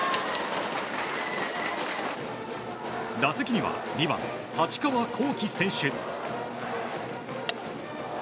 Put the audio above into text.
打席には２番、太刀川幸輝選手。